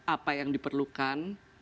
apa yang diperlukan